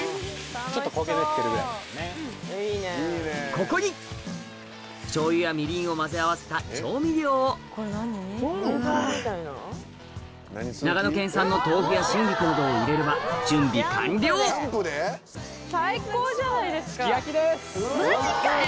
ここにしょうゆやみりんを混ぜ合わせた調味料を長野県産の豆腐や春菊などを入れれば準備完了マジかよ！